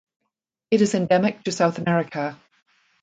It is endemic to South America.